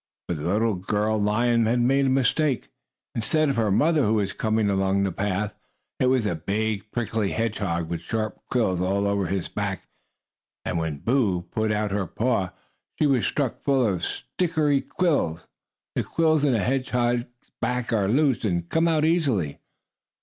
But the little girl lion had made a mistake. Instead of her mother who was coming along the jungle path, it was a big prickly hedgehog with sharp quills all over his back, and when Boo put out her paw she was stuck full of stickery quills. The quills in a hedgehog's back are loose, and come out easily.